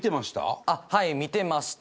はい見てました。